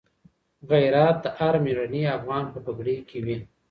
غیرت د هر مېړني افغان په پګړۍ کي وي.